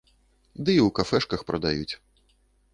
Ды і ў кафэшках прадаюць.